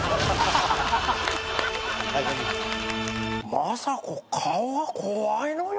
政子顔が怖いのよ。